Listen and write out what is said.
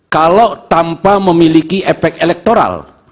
kalau tanpa memiliki efek elektoral